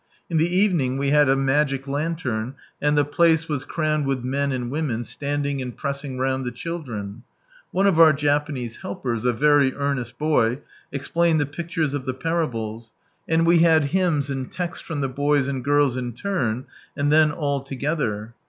In the evening we had a magic lantern, and the place was crammed with men and women, standing and pressing round the children. One of our Japanese helpers very earnest boy, explained the pictures of the Parables, and we had hymns and texts from the boys and girls in turn, and then all together.